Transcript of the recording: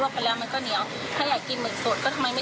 หมึกพลองขนาดเยอะเยอะแย่คือจะไปทำหมึกปลอมมาขายทำไม